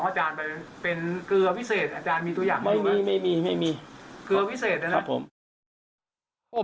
พระอาจารย์ออสบอกว่าอาการของคุณแป๋วผู้เสียหายคนนี้อาจจะเกิดจากหลายสิ่งประกอบกัน